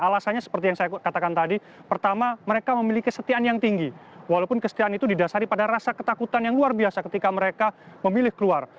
alasannya seperti yang saya katakan tadi pertama mereka memiliki kesetiaan yang tinggi walaupun kesetiaan itu didasari pada rasa ketakutan yang luar biasa ketika mereka memilih keluar